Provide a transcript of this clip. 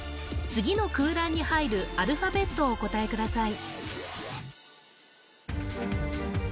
次の空欄に入るアルファベットをお答えください